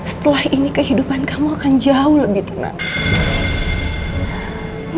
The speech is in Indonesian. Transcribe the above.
setelah ini kehidupan kamu akan jauh lebih tenang